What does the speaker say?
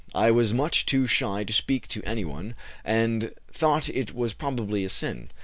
I was much too shy to speak to any one, and thought it was probably a sin.